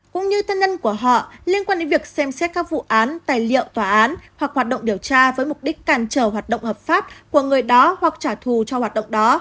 cũng như thân nhân của họ liên quan đến việc xem xét các vụ án tài liệu tòa án hoặc hoạt động điều tra với mục đích càn trở hoạt động hợp pháp của người đó hoặc trả thù cho hoạt động đó